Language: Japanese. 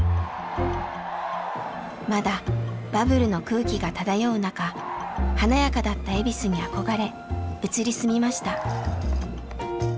まだバブルの空気が漂う中華やかだった恵比寿に憧れ移り住みました。